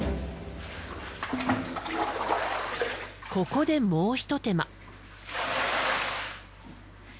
ここでもう一手間。